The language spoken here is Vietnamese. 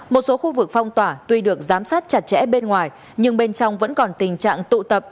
một số khu vực phong tỏa tuy được giám sát chặt chẽ bên ngoài nhưng bên trong vẫn còn tình trạng tụ tập